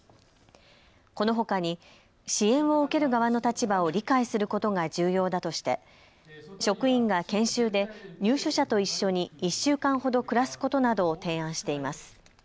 このほかに支援を受ける側の立場を理解することが重要だとして職員が研修で入所者と一緒に１週間ほど暮らすことなどを提案しています。